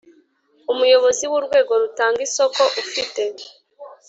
Umuyobozi w urwego rutanga isoko ufite